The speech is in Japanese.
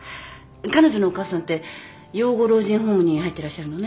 彼女のお母さんって養護老人ホームに入ってらっしゃるのね。